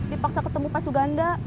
dipaksa ketemu pak suganda